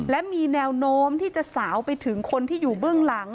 และมีแนวโน้มที่จะสาวไปถึงคนที่อยู่เบื้องหลัง